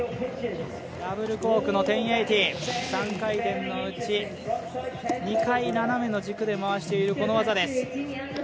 ダブルコーク１０８０、３回転のうち２回、斜めの軸で回しているこの技です。